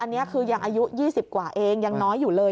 อันนี้คือยังอายุ๒๐กว่าเองยังน้อยอยู่เลย